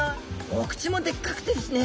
お口もでっかくてですね